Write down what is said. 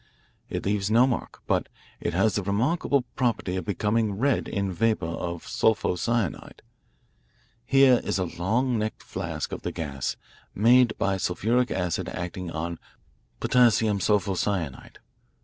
It leaves no mark. But it has the remarkable property of becoming red in vapour of sulpho cyanide. Here is a long necked flask of the gas, made by sulphuric acid acting on potassium sulphocyanide.